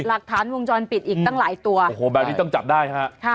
หลักฐานวงจรปิดอีกตั้งหลายตัวโอ้โหแบบนี้ต้องจับได้ฮะค่ะ